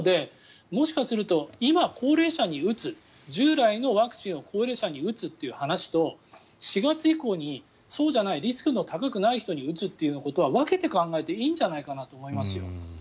もしかすると、今、高齢者に打つ従来のワクチンを高齢者に打つという話と４月以降にそうじゃないリスクの高くない人に打つことは分けて考えていいんじゃないかと思いますよ。